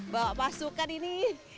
bawa pasukan ini